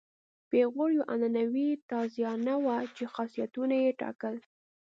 پیغور یوه عنعنوي تازیانه وه چې خاصیتونه یې ټاکل.